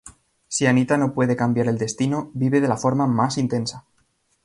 Si Anita no puede cambiar el destino, vive de la forma más intensa.